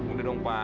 udah dong pak